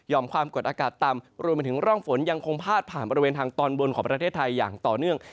ความกดอากาศต่ำรวมไปถึงร่องฝนยังคงพาดผ่านบริเวณทางตอนบนของประเทศไทยอย่างต่อเนื่อง